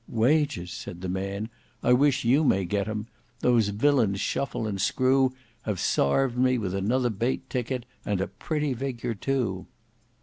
"Wages!" said the man, "I wish you may get 'em. Those villains, Shuffle and Screw, have sarved me with another bate ticket: and a pretty figure too."